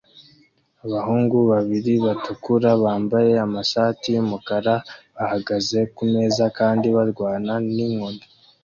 Abahungu babiri batukura bambaye amashati yumukara bahagaze kumeza kandi barwana ninkoni